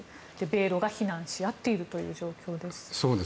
米ロが非難し合っているという状況です。